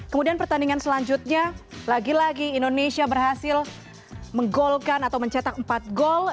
kemudian pertandingan selanjutnya lagi lagi indonesia berhasil menggolkan atau mencetak empat gol